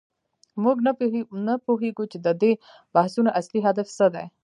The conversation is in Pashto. موږ نه پوهیږو چې د دې بحثونو اصلي هدف څه دی.